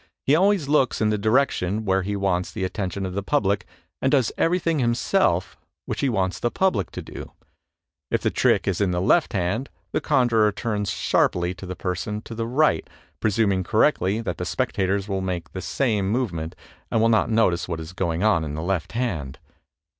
He always looks in the direction where he wants the attention of the public, and does everything him self which he wants the public to do .... It the trick is in the left hand, the conjurer turns sharply to the person to the right, presuming correctly that the spectators will make the same movement, and will not notice what is going on in the left hand